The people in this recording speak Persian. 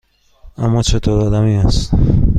اِما چطور آدمی است؟